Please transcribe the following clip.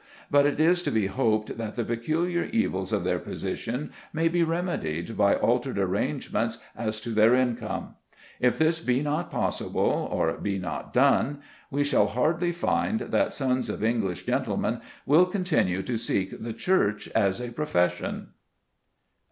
But it is to be hoped that the peculiar evils of their position may be remedied by altered arrangements as to their income. If this be not possible, or be not done, we shall hardly find that sons of English gentlemen will continue to seek the Church as a profession.